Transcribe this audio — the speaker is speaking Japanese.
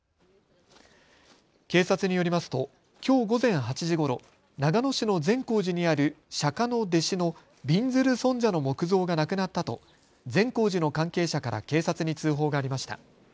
警察によりますときょう午前８時ごろ長野市の善光寺にある釈迦の弟子のびんずる尊者の木像がなくなったと善光寺の関係者から警察に通報がありました。